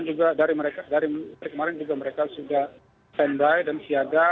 juga dari kemarin juga mereka sudah standby dan siaga